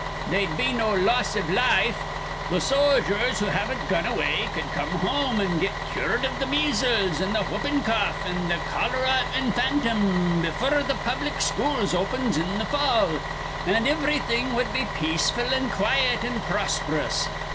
They'd be no loss iv life. Th' sojers who haven't gone away cud come home an' get cured iv th' measles an' th' whoopin' cough an' th' cholera infantum befure th' public schools opens in th' fall, an' ivrything wud be peaceful an' quiet an' prosp'rous.